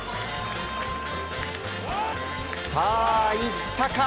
さあ、いったか？